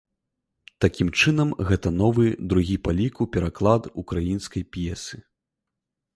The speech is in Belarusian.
Такім чынам, гэта новы, другі па ліку пераклад украінскай п'есы.